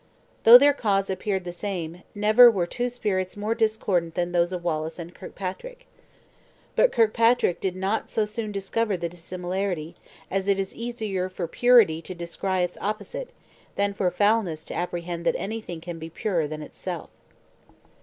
Though their cause appeared the same, never were two spirits more discordant than those of Wallace and Kirkpatrick. But Kirkpatrick did not so soon discover the dissimilarity; as it is easier for purity to descry its opposite, than for foulness to apprehend that anything can be purer than itself.